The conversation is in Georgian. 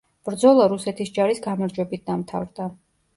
ბრძოლა რუსეთის ჯარის გამარჯვებით დამთავრდა.